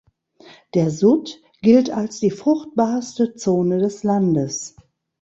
Der Sudd gilt als die fruchtbarste Zone des Landes.